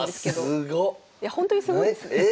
いやほんとにすごいですね。